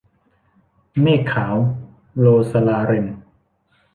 เมฆขาว - โรสลาเรน